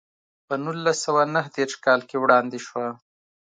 په نولس سوه نهه دېرش کال کې وړاندې شوه.